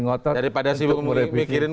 ngotot daripada sibuk memikirin